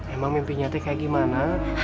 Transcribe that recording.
emang mimpinya teh kayak gimana